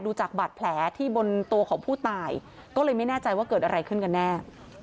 จากบาดแผลที่บนตัวของผู้ตายก็เลยไม่แน่ใจว่าเกิดอะไรขึ้นกันแน่